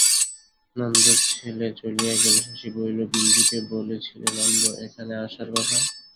নন্দর ছেলে চলিয়া গেলে শশী বলিল, বিন্দুকে বলেছিলে নন্দ, এখানে আসার কথা?